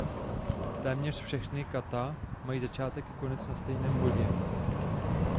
Téměř všechny kata mají začátek i konec na stejném bodě.